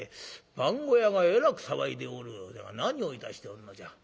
「番小屋がえらく騒いでおるようだが何をいたしておるのじゃ？